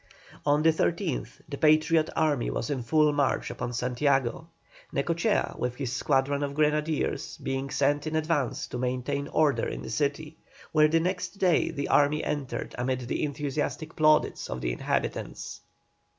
On the 13th the Patriot army was in full march upon Santiago, Necochea, with his squadron of grenadiers, being sent in advance to maintain order in the city; where the next day the army entered amid the enthusiastic plaudits of the inhabitants.